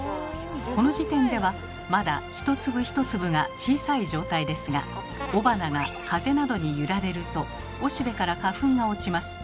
この時点ではまだ一粒一粒が小さい状態ですが雄花が風などに揺られるとおしべから花粉が落ちます。